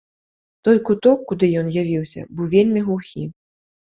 Той куток, куды ён явіўся, быў вельмі глухі.